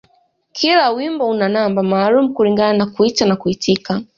Kila wimbo una namba maalum kulingana na kuita na kuitika